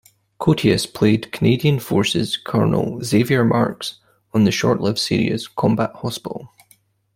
Koteas played Canadian Forces Colonel Xavier Marks on the short-lived series, "Combat Hospital".